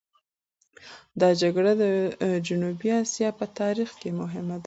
دا جګړه د جنوبي اسیا په تاریخ کې مهمه ده.